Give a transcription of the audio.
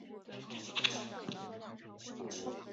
何衢为康熙五十九年庚子科举人出身。